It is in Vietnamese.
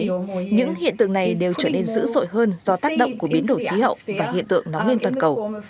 nhiệt độ toàn cầu gieo hạt đám mây đều trở nên dữ dội hơn do tác động của biến đổi khí hậu và hiện tượng nóng lên toàn cầu